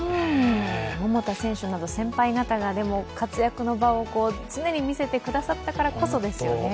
桃田選手など先輩方が、活躍の場を常に見せてくださったからですよね。